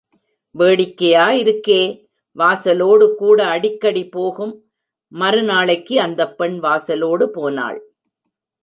வேடிக்கையா இருக்கே! வாசலோடு கூட அடிக்கடி போகும். மறுநாளைக்கு அந்தப் பெண் வாசலோடு போனாள்.